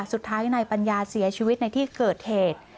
สุดท้ายนายปัญญาเสียชีวิตในที่เกิดเหตุ